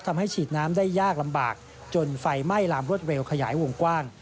ฉีดน้ำได้ยากลำบากจนไฟไหม้ลามรวดเร็วขยายวงกว้าง